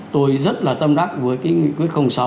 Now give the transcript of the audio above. tôi rất là tâm đắc với cái quyết sáu